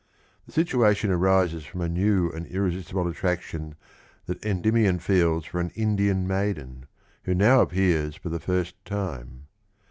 The situation arises from a new and irresistible attraction that Endymion feels for an Indian m.aiden who now appears for the first time.